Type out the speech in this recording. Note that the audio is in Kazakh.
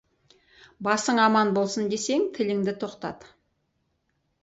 Басың аман болсын десең, тіліңді тоқтат.